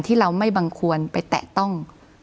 ที่เราไม่บังควรไปแตะต้อง